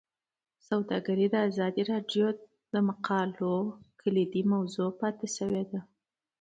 سوداګري د ازادي راډیو د مقالو کلیدي موضوع پاتې شوی.